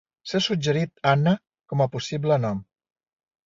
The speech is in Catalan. S'ha suggerit "Anna" com a possible nom.